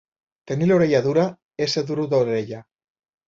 Tenir l'orella dura, ésser dur d'orella.